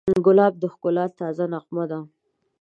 ګلاب د ښکلا تازه نغمه ده.